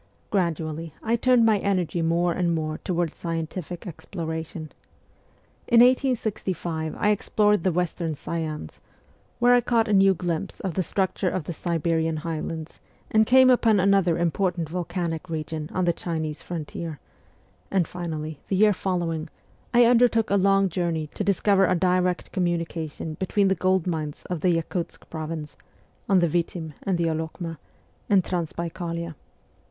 Gradually I turned my energy more and more toward scientific exploration. In 1865 I explored the western Sayans, where I caught a new glimpse of the structure of the Siberian highlands and came upon another important volcanic region on the Chinese fron tier ; and finally, the year following, I undertook a long journey to discover a direct communication between the gold mines of the Yakutsk province (on the Vitini and the Olokma) and Transbaikalia.